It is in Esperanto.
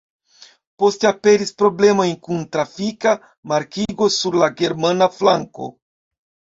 Poste aperis problemoj kun trafika markigo sur la germana flanko.